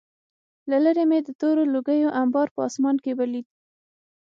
له لېرې مې د تورو لوګیو انبار په آسمان کې ولید